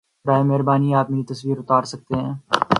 براہ مہربانی آپ میری تصویر اتار سکتے